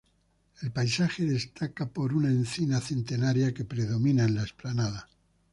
El paisaje destaca por una encina centenaria que predomina en la explanada.